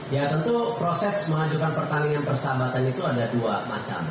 ya tentu proses mengajukan pertanian persahabatan itu ada dua macam